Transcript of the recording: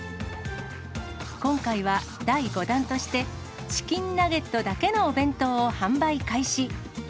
今回は、第５弾としてチキンナゲットだけのお弁当を販売開始。